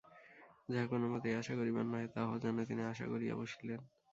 যাহা কোনোমতেই আশা করিবার নহে তাহাও যেন তিনি আশা করিয়া বসিলেন।